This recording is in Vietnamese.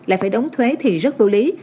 lại phải đóng thuế thì rất vô lý